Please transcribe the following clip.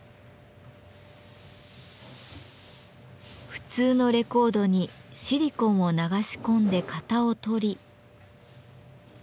普通のレコードにシリコンを流し込んで型を取り。